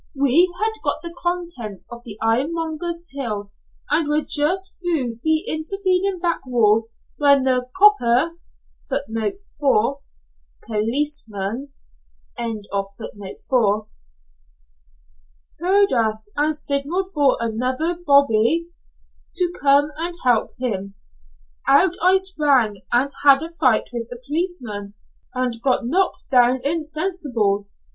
We had got the contents of the ironmonger's till, and were just through the intervening back wall, when the 'copper' heard us, and signalled for another 'bobby' to come and help him. Out I sprang, and had a fight with the policeman, and got knocked down insensible.